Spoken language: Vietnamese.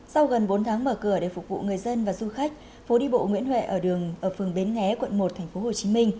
sau gần bốn tháng mở cửa để phục vụ người dân và du khách phố đi bộ nguyễn huệ ở đường ở phường bến nghé quận một tp hcm